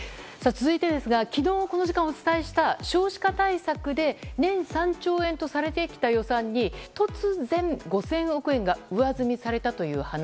続いてですが昨日、この時間お伝えした少子化対策で年３兆円とされてきた予算に突然、５０００億円が上積みされたという話。